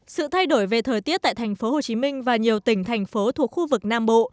sự thay đổi về thời tiết tại tp hcm và nhiều tỉnh thành phố thuộc khu vực nam bộ